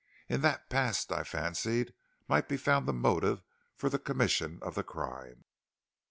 In that past I fancied, might be found the motive for the commission of the crime."